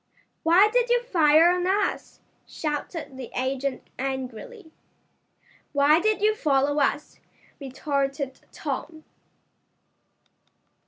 "Why did you fire on us?" shouted the agent angrily. "Why did you follow us?" retorted Tom.